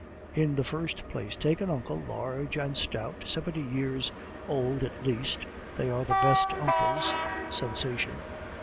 In the first place, take an uncle, large and stout, seventy years old at least, they are the best uncles. (Sensation.)